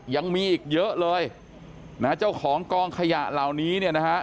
ยังมีอีกเยอะเลยนะฮะเจ้าของกองขยะเหล่านี้เนี่ยนะฮะ